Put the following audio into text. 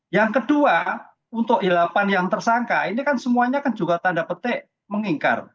yang kedua untuk delapan yang tersangka ini kan semuanya kan juga tanda petik mengingkar